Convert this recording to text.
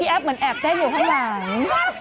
แอฟเหมือนแอบเต้นอยู่ข้างหลัง